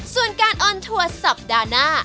ส่วนการออนทัวร์สัปดาห์หน้า